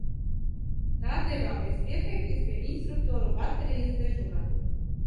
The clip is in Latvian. Tā devāmies pieteikties pie instruktoru baterijas dežuranta.